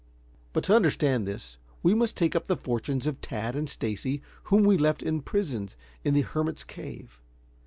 But to understand this, we must take up the fortunes of Tad and Stacy, whom we left imprisoned in the hermit's cave.